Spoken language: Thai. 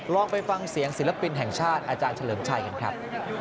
ลองไปฟังเสียงศิลปินแห่งชาติอาจารย์เฉลิมชัยกันครับ